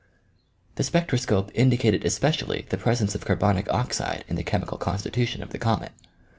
The spectroscope indicated especially the presence of carbonic oxide in the chemical constitution of the comet.